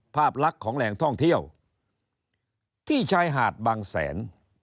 ภาพลักษณ์ของแหล่งท่องเที่ยวที่ชายหาดบางแสน